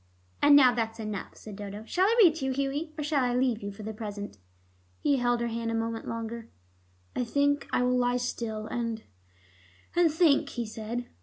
"And now that's enough," said Dodo. "Shall I read to you, Hughie, or shall I leave you for the present?" He held her hand a moment longer. "I think I will lie still and and think," he said.